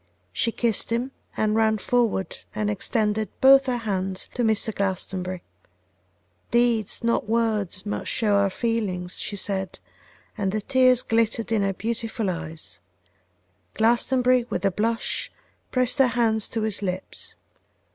She kissed him, and ran forward and extended both her hands to Mr. Glastonbury. 'Deeds, not words, must show our feelings,' she said, and the tears glittered in her beautiful eyes; Glastonbury, with a blush, pressed her hand to his lips.